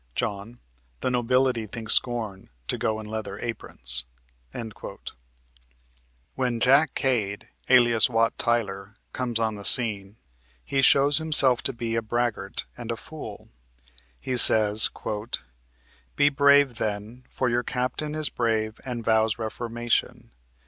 John. The nobility think scorn to go in leather aprons." When Jack Cade, alias Wat Tyler, comes on the scene, he shows himself to be a braggart and a fool. He says: "Be brave then, for your captain is brave and vows reformation.